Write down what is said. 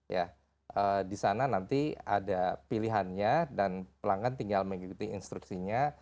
ya di sana nanti ada pilihannya dan pelanggan tinggal mengikuti instruksinya